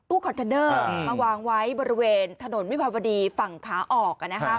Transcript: คอนเทนเนอร์มาวางไว้บริเวณถนนวิภาวดีฝั่งขาออก